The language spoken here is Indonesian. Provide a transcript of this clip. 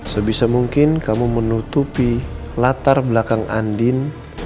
sebisa mungkin kamu menutupi latar belakang andin